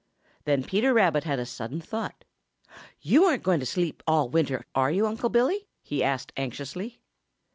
Then Peter Rabbit had a sudden thought. "You aren't going away to sleep all winter, are you, Uncle Billy?" he asked anxiously.